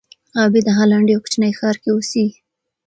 غابي د هالنډ یوه کوچني ښار کې اوسېږي.